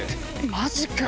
マジかよ